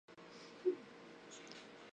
圣保罗德韦尔讷。